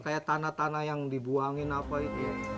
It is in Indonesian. kayak tanah tanah yang dibuangin apa itu